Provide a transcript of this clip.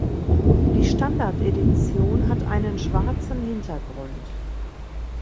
Die Standard Edition hat einen schwarzen Hintergrund.